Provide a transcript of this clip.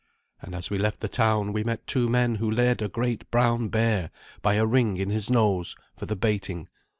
And as we left the town we met two men who led a great brown bear by a ring in his nose, for the baiting.